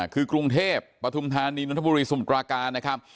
คือกรุงเทพประธุมธานินทบุรีสุมกรากานะครับ